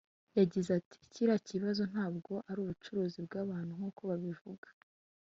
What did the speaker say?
Yagize ati, “Kiriya kibazo ntabwo ari ubucuruzi bw’abantu nk’uko babivugaga